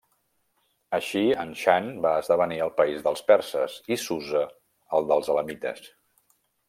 Així Anshan va esdevenir el país dels perses i Susa el dels elamites.